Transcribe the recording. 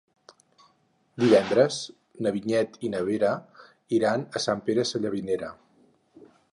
Divendres na Vinyet i na Vera iran a Sant Pere Sallavinera.